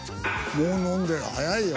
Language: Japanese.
もう飲んでる早いよ。